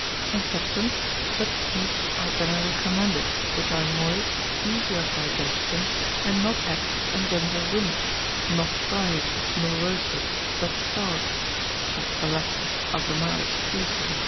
In substance, such meats are generally commended, which are moist, easy of digestion, and not apt to engender wind, not fried, nor roasted, but sod (saith Valescus, Altomarus, Piso, &c.)